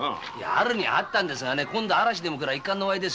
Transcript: あるにはあったんですがね今度嵐がくれば一巻の終わりですよ。